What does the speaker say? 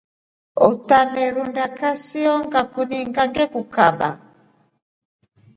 Utamerunda kasiyo ngakuninga ngekukaba.